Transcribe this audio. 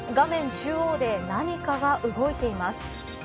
中央で何かが動いています。